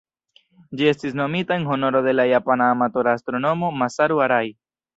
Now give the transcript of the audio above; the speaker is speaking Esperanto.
Ĝi estis nomita en honoro de la japana amatora astronomo Masaru Arai.